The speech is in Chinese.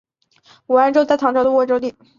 武安州在唐朝是沃州地。